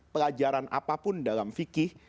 pelajaran apapun dalam fikih